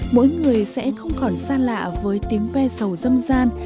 mỗi người sẽ không còn xa lạ với tiếng ve sầu dâm gian